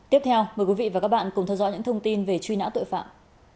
tiếp theo mời quý vị và các bạn cùng theo dõi những thông tin về truy nã tội phạm